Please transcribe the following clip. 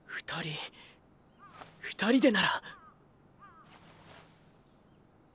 ２人２人でなら！